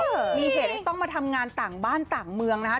มีเหตุให้ต้องมาทำงานต่างบ้านต่างเมืองนะคะ